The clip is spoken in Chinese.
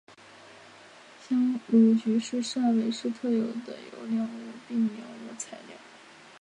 香炉桔是汕尾市特有的优良无病苗木材料。